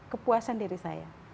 kepuasan diri saya